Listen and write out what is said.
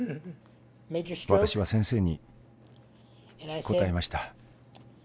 私は先生に答えました。